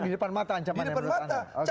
di depan mata cahyokumo lo sudah melakukan itu